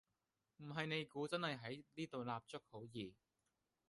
唔係你估真係喺呢度立足好易?